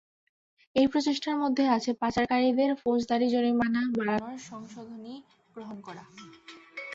এই প্রচেষ্টার মধ্যে আছে পাচারকারীদের ফৌজদারি জরিমানা বাড়ানোর সংশোধনী গ্রহণ করা।